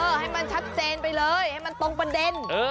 ให้มันชัดเจนไปเลยให้มันตรงประเด็น